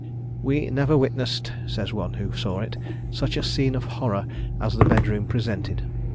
"We never witnessed," says one who saw it, "such a scene of horror as the bed room presented.